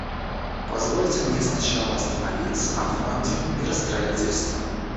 Позвольте мне сначала остановиться на Фонде миростроительства.